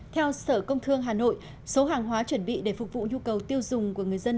theo sở công thương hà nội số hàng hóa chuẩn bị để phục vụ nhu cầu tiêu dùng của người dân